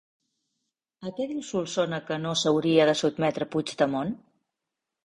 A què diu Solsona que no s'hauria de sotmetre Puigdemont?